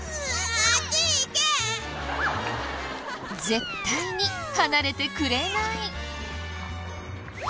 絶対に離れてくれない。